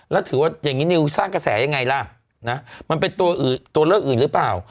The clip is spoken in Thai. แล้วถือว่าอย่างนี้นิวสร้างกระแสยังไงล่ะนะมันเป็นตัวเลือกอื่นหรือเปล่า